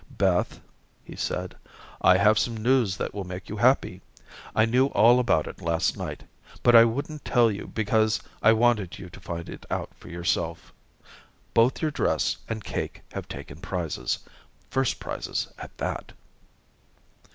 "Beth," he said, "I have some news that will make you happy. I knew all about it last night, but I wouldn't tell you because I wanted you to find it out for yourself. Both your dress and cake have taken prizes first prizes at that."